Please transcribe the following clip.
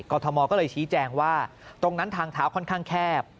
ทมก็เลยชี้แจงว่าตรงนั้นทางเท้าค่อนข้างแคบ